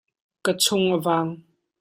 Ka chung a vang.